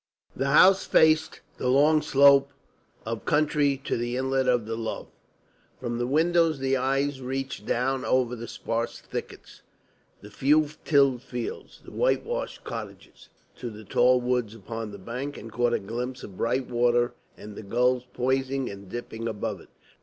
The house faced the long slope of country to the inlet of the Lough. From the windows the eye reached down over the sparse thickets, the few tilled fields, the whitewashed cottages, to the tall woods upon the bank, and caught a glimpse of bright water and the gulls poising and dipping above it.